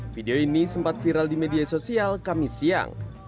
video ini sempat viral di media sosial kami siang